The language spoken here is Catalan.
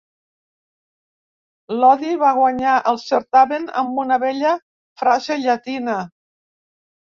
Lodi va guanyar el certamen amb una bella frase llatina.